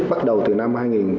bắt đầu từ năm hai nghìn một mươi